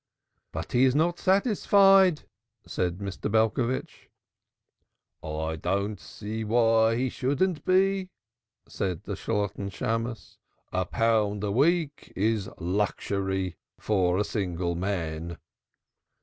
"But he is not satisfied," said Mr. Belcovitch. "I don't see why he shouldn't be," said the Shalotten Shammos. "A pound a week is luxury for a single man."